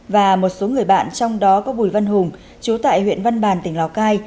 và một số người bạn trong đó có bùi văn hùng chú tại huyện văn bàn tỉnh lào cai